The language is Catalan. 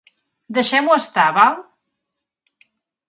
Deixem-ho estar, val?